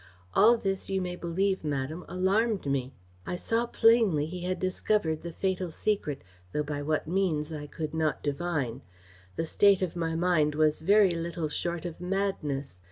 All this you may believe, madam, alarmed me. I saw plainly he had discovered the fatal secret, though by what means I could not divine. The state of my mind was very little short of madness.